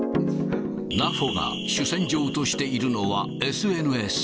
ナフォが主戦場としているのはＳＮＳ。